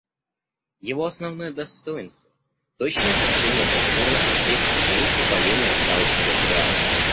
Его основное достоинство — точное отражение процедурных аспектов и наличие полезного справочного материала.